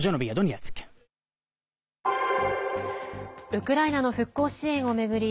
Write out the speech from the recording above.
ウクライナの復興支援を巡り